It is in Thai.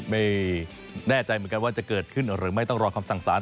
ไม่แน่ใจเหมือนกันว่าจะเกิดขึ้นหรือไม่ต้องรอคำสั่งสาร